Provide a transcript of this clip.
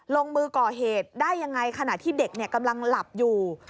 ลงมือก่อเหตุได้ยังไงขณะที่เด็กกำลังหลับอยู่